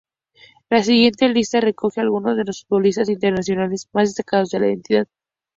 La siguiente lista recoge algunos de los futbolistas internacionales más destacados de la entidad.